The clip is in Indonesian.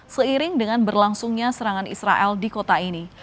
seiring dengan berlangsungnya serangan israel di kota ini